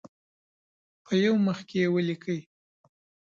په یو مخ کې یې ولیکئ.